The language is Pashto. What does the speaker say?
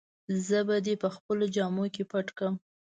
زه به دي په خپلو جامو کي پټ کړم.